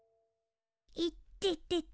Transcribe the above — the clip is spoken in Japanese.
いっててて。